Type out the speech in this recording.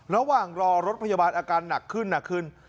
ระหว่างรอรถพยาบาลอาการหนักขึ้น